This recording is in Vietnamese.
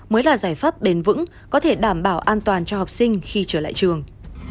mới là giải pháp bền vững có thể đảm bảo an toàn cho học sinh khi trở lại trường